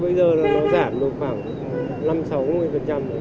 bây giờ nó giảm được khoảng năm sáu mùi phần trăm